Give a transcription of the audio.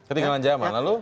ketinggalan zaman lalu